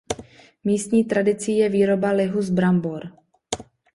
Místní tradicí je výroba lihu z brambor.